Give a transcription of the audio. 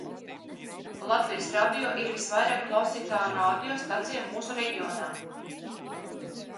Latvijas Radio ir visvairāk klausītā radio stacija mūsu reģionā.